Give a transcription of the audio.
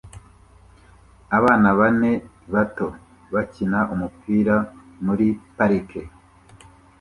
Abana bane bato bakina umupira muri parike